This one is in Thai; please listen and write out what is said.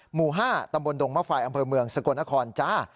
หมู่๕ตำบลดงมะไฟอำเภอเมืองสกลนครจ้า